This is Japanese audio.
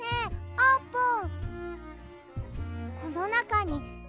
あーぷん？